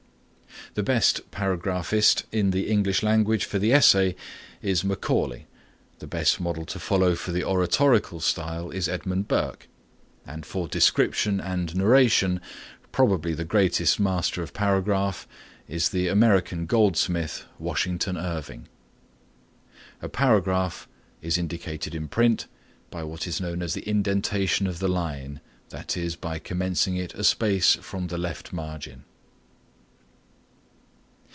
The best paragraphist in the English language for the essay is Macaulay, the best model to follow for the oratorical style is Edmund Burke and for description and narration probably the greatest master of paragraph is the American Goldsmith, Washington Irving. A paragraph is indicated in print by what is known as the indentation of the line, that is, by commencing it a space from the left margin.